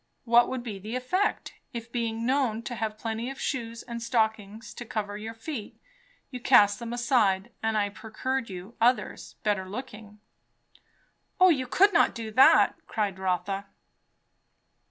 What would be the effect, if, being known to have plenty of shoes and stockings to cover your feet, you cast them aside, and I procured you others, better looking?" "O you could not do that!" cried Rotha.